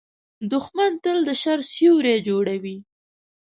دښمن تل د شر سیوری جوړوي